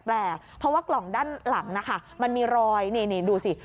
แปลกเพราะว่ากล่องด้านหลังนะคะมันมีรอยนี่ดูสิ